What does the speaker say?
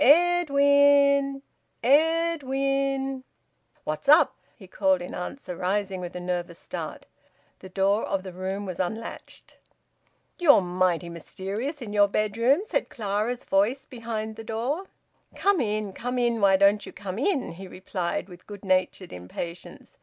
"Ed win! Ed win!" "What's up?" he called in answer, rising with a nervous start. The door of the room was unlatched. "You're mighty mysterious in your bedroom," said Clara's voice behind the door. "Come in! Come in! Why don't you come in?" he replied, with good natured impatience.